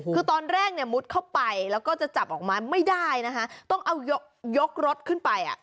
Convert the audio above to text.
คือตอนแรกเนี่ยมุดเข้าไปแล้วก็จะจับออกมาไม่ได้นะคะต้องเอายกรถขึ้นไปอ่ะ